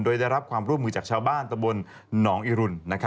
โดยได้รับความร่วมมือจากชาวบ้านตะบนหนองอิรุณ